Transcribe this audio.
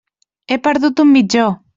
He perdut un mitjó.